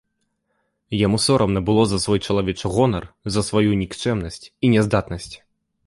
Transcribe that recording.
Яму сорамна было за свой чалавечы гонар, за сваю нікчэмнасць і няздатнасць.